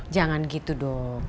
jangan gitu dong